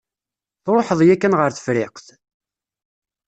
Truḥeḍ yakan ɣer Tefriqt?